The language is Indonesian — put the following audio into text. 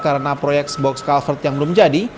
karena proyek box culvert yang belum jadi